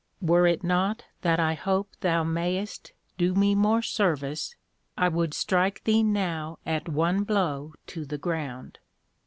Were it not that I hope thou mayest do me more service, I would strike thee now at one blow to the ground.